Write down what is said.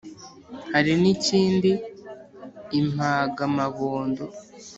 hari n’ ikindi impagamabondo,